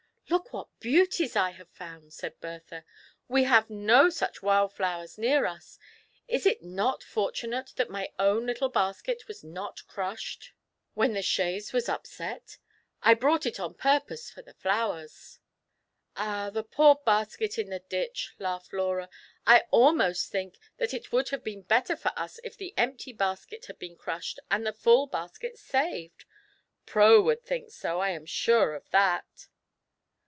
" Look what beauties I have found !" said Bertha ;" we have no such wild flowers near us. Is it not for tunate that my own little basket was not crushed when THE PLEASURE EXCUKSION. 131 the chaise was upset, I brought it on purpose for the "Ah, the poor basket in the ditch!" laughed Laurtb "I ahnost thiuk that it would have been better for us if the empty basket had been crushed, and the fiill basket saved. Pro would think so, I am sure of that